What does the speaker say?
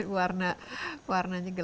warnanya gelap ya